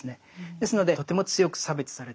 ですのでとても強く差別されている。